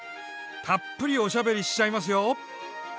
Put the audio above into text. たっぷりおしゃべりしちゃいますよ。